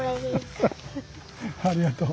ありがとう。